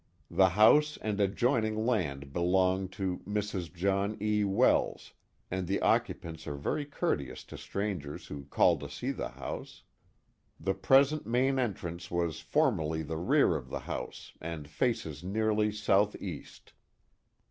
The house and adjoining land belong to Mrs. John E. Wells, and the occupants are very courteous to strangers who call to see the house. The present main entrance was form erly the rear of the house, and faces nearly southeast.